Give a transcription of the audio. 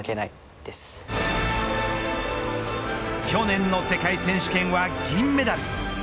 去年の世界選手権は銀メダル。